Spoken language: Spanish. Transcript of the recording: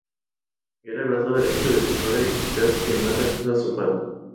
Era el brazo derecho de su padre y quizás, quien más acusa su falta.